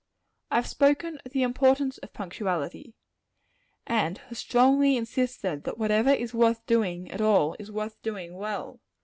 I have spoken of the importance of punctuality, and have strongly insisted that whatever is worth doing at all, is worth doing well.